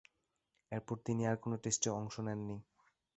এরপর তিনি আর কোন টেস্টে অংশ নেননি।